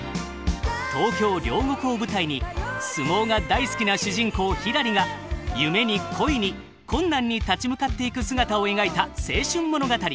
東京・両国を舞台に相撲が大好きな主人公ひらりが夢に恋に困難に立ち向かっていく姿を描いた青春物語！